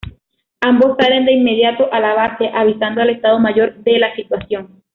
Ambos salen de inmediato a la base, avisando al Estado Mayor de la situación.